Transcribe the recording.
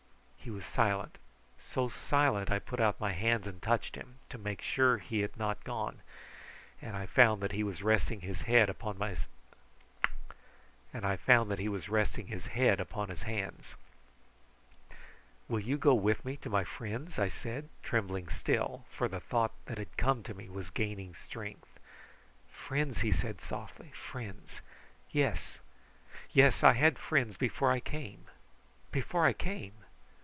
He was silent so silent that I put out my hands and touched him, to make sure that he had not gone, and I found that he was resting his head upon his hands. "Will you go with me to my friends?" I said, trembling still, for the thought that had come to me was gaining strength. "Friends!" he said softly; "friends! Yes, I had friends before I came before I came!"